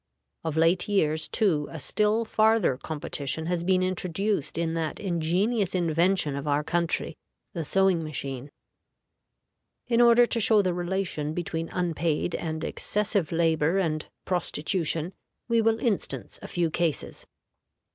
Of late years, too, a still farther competition has been introduced in that ingenious invention of our country, the sewing machine. In order to show the relation between unpaid and excessive labor and prostitution, we will instance a few cases.